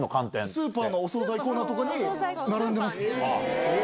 スーパーのお総菜コーナーとかに並んでますね。